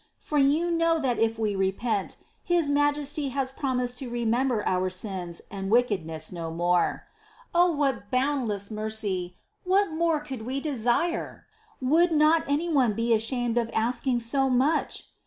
for you know that if we repent, His Majesty has promised to remember our sins and wickedness no more. 6. Oh, what boundless mercy ! What more could we desire ? Would not anyone be ashamed of asking so much